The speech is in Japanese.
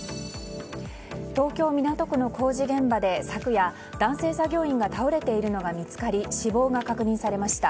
東京・港区の工事現場で昨夜、男性作業員が倒れているのが見つかり死亡が確認されました。